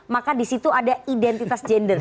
maka disitu ada identitas gender